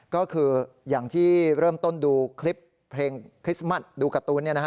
ก็คืออย่างที่เริ่มต้นดูคลิปเพลงคริสต์มัสดูการ์ตูน